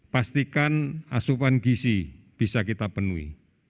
pastikan asupan gisi bisa kita penuhi